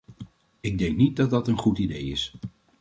Ik denk niet dat dat een goed idee is.